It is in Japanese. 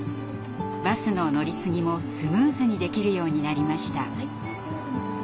バスの乗り継ぎもスムーズにできるようになりました。